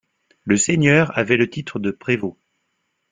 Le seigneur avait le titre de Prévôt.